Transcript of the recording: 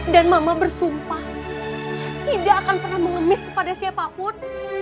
dan mama bersumpah tidak akan pernah mengemis kepada siapapun